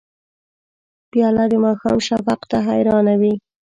پیاله د ماښام شفق ته حیرانه وي.